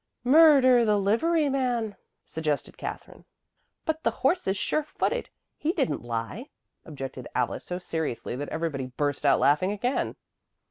"Murder the liveryman," suggested Katherine. "But the horse is sure footed; he didn't lie," objected Alice so seriously that everybody burst out laughing again.